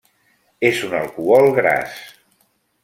És un alcohol gras.